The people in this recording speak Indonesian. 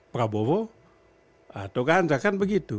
prabowo atau ganjar kan begitu